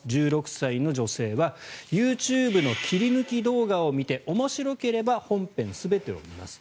１６歳の女性はＹｏｕＴｕｂｅの切り抜き動画を見て面白ければ本編全てを見ます。